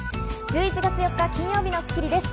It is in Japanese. １１月４日、金曜日の『スッキリ』です。